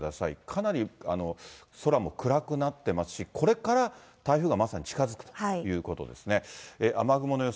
かなり空も暗くなってますし、これから台風がまさに近づくということですね。